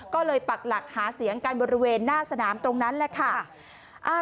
ก็เลยปักหลักหาเสียงกันบริเวณหน้าสนามตรงนั้นแหละค่ะ